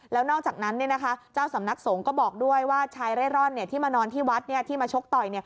แล้วนอกจากนั้นเจ้าสำนักสงฆ์ก็บอกด้วยว่าชายเร่ร่อนที่มานอนที่วัดที่มาชกต่อย